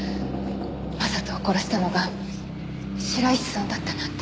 将人を殺したのが白石さんだったなんて。